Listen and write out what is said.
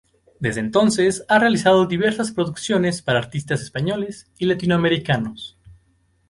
Desde entonces ha realizado diversas producciones para artistas españoles y latinoamericanos.